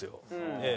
ええ。